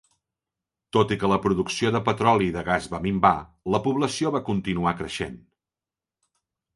Tot i que la producció de petroli i de gas va minvar, la població va continuar creixent.